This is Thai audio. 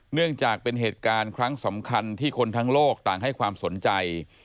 เนื่องจากเป็นเหตุการณ์ครั้งสำคัญที่คนทั้งโลกต่างให้ความสนใจ